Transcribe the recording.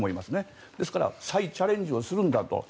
ですから再チャレンジをするんだと。